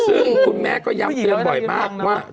ซึ่งคุณแม่ก็ย้ำเตือนบ่อยมากว่า